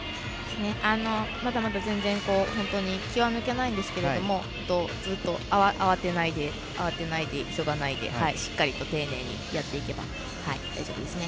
まだまだ全然気は抜けないんですけどもずっと慌てないで急がないでしっかりと丁寧にやっていけば大丈夫ですね。